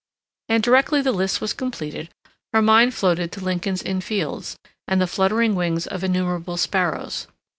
And directly the list was completed, her mind floated to Lincoln's Inn Fields and the fluttering wings of innumerable sparrows.